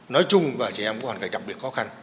nói chung và trẻ em có hoàn cảnh đặc biệt khó khăn